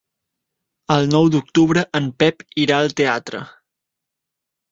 El nou d'octubre en Pep irà al teatre.